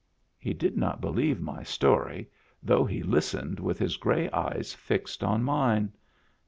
He did not believe my story, though he lis tened with his gray eyes fixed on mine.